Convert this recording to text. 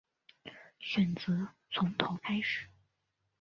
选择从头开始